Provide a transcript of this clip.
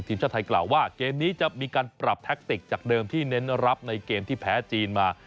ทีมชาติไทยกล่าวว่าเกมนี้จะมีการปรับแท็กติกจากเดิมที่เน้นรับในเกมที่แพ้จีนมา